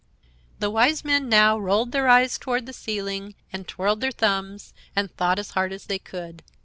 The Wise Men now rolled their eyes toward the ceiling and twirled their thumbs and thought as hard as they could.